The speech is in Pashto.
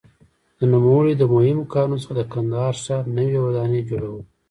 د نوموړي د مهمو کارونو څخه د کندهار ښار نوې ودانۍ جوړول وو.